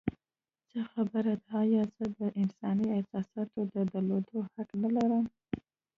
څه خبره ده؟ ایا زه د انساني احساساتو د درلودو حق نه لرم؟